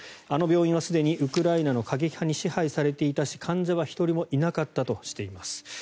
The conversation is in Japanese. あの病院はすでにウクライナの過激派に支配されていたし患者は１人もいなかったとしています。